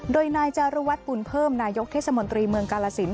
โดยนายจารุวัฒน์บุญเพิ่มนายกเทศมนตรีเมืองกาลสิน